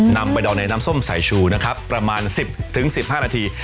นำไปดองในน้ำส้มสายชูนะครับประมาณ๑๐๑๕นาที